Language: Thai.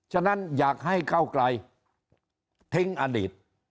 ฉะนั้นอยากให้ก้าวไกลทิ้งอดีต